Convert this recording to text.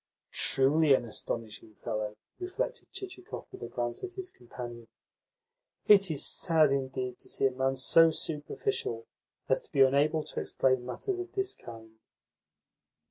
"Truly an astonishing fellow!" reflected Chichikov with a glance at his companion. "It is sad indeed to see a man so superficial as to be unable to explain matters of this kind."